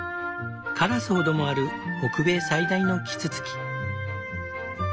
カラスほどもある北米最大のキツツキ。